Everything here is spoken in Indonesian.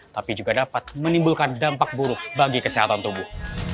tapi juga dapat menimbulkan dampak buruk bagi kesehatan tubuh